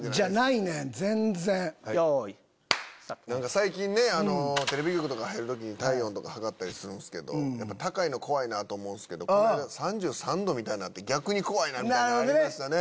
最近ねテレビ局とか入る時に体温とか測ったりするんすけどやっぱ高いの怖いなと思うんすけどこないだ３３℃みたいなのあって逆に怖いなんてありましたね。